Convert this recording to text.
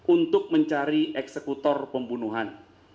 untuk mencari eksekutor pembunuhan